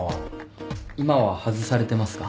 今は外されてますが。